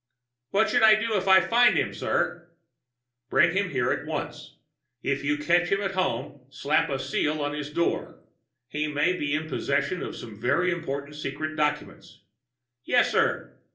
"What should I do when I find him, sir?" "Bring him here at once. And if you catch him at home, slap a seal on his door. He may be in possession of some very important secret documents." "Yes, sir."